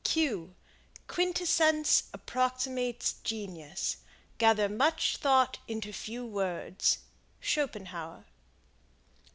Quintessence approximates genius. Gather much though into few words. Schopenhauer.